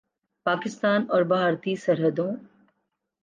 پاکستان اور بھارتی سرحدوں